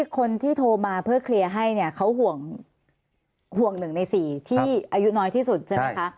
คนที่โทรมาเพื่อเคลียร์ให้เนี่ยเขาห่วง๑ใน๔ที่อายุน้อยที่สุดใช่ไหมคะ